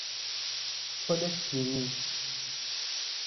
پل سیمی